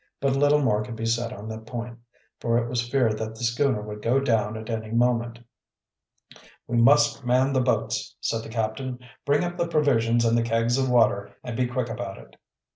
But little more could be said on the point, for it was feared that the schooner would go down at any moment. "We must man the boats," said the captain. "Bring up the provisions and the kegs of water, and be quick about it."